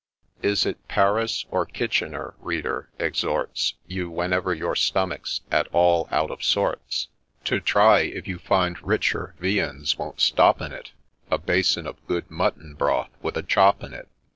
Is it Paris, or Kitchener, Reader, exhorts You, whenever your stomach 's at all out of sorts, To try, if you find richer viands won't stop in it A basin of good mutton broth with a chop in it